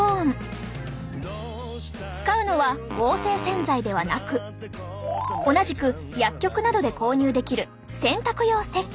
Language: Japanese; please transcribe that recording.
使うのは合成洗剤ではなく同じく薬局などで購入できる洗濯用せっけん。